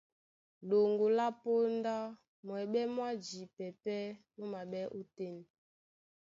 Ɗoŋgo lá póndá, mwɛɓɛ́ mwá jipɛ pɛ́ mú maɓɛ́ ótên.